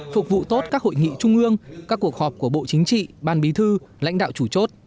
phục vụ tốt các hội nghị trung ương các cuộc họp của bộ chính trị ban bí thư lãnh đạo chủ chốt